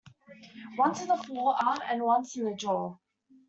Once in the forearm and once in the jaw.